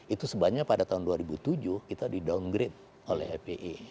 itu sebabnya pada tahun dua ribu tujuh kita di downgrade oleh fpi